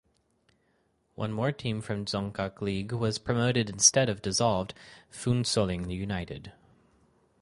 One more team from Dzongkhag League was promoted instead of dissolved Phuentsholing United.